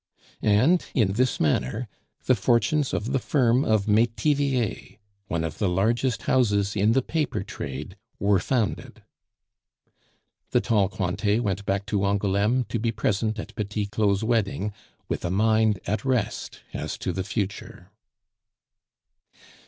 And in this manner the fortunes of the firm of Metivier, one of the largest houses in the paper trade, were founded. The tall Cointet went back to Angouleme to be present at Petit Claud's wedding, with a mind at rest as to the future.